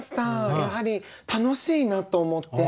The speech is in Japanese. やはり楽しいなと思って。